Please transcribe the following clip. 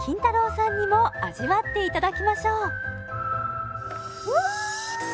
さんにも味わっていただきましょううわ